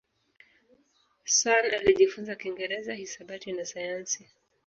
Sun alijifunza Kiingereza, hisabati na sayansi.